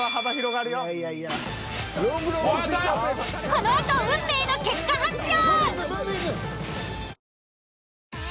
このあと運命の結果発表。